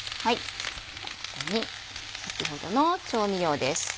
ここに先ほどの調味料です。